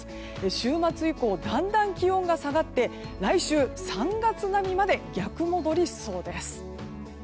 週末以降だんだん気温が下がって来週、３月並みまで逆戻りしそうです。